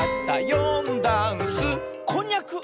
「よんだんす」「こんにゃく」！